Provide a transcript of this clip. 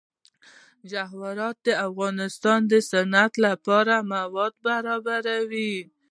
جواهرات د افغانستان د صنعت لپاره مواد برابروي.